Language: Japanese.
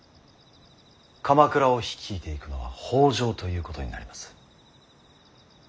鎌倉を率いていくのは北条ということになります。